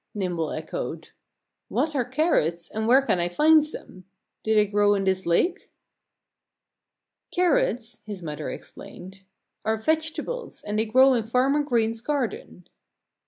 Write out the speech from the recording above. Nimble echoed. "What are carrots and where can I find some? Do they grow in this lake?" "Carrots," his mother explained, "are vegetables and they grow in Farmer Green's garden."